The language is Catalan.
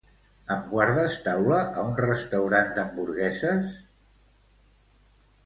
Em guardes taula a un restaurant d'hamburgueses?